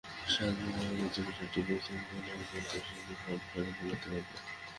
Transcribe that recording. সাত বিভাগের জন্য সাতটি বুথ থেকে মনোনয়নপ্রত্যাশীরা ফরম সংগ্রহ করতে পারবেন।